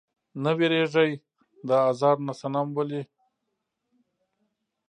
نۀ ويريږي د ازار نه صنم ولې؟